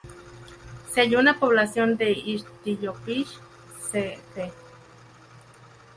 Se halló una población de "Ichthyophis" cf.